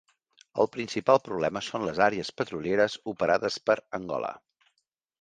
El principal problema són les àrees petrolieres operades per Angola.